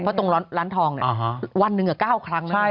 เพราะตรงร้านทองวันหนึ่ง๙ครั้งนะ